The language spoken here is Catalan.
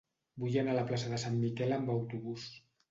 Vull anar a la plaça de Sant Miquel amb autobús.